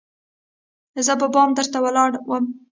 زه په بام درته ولاړه وم